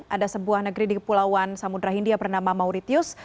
ada sebuah negeri di kepulauan samudera india bernama mauritius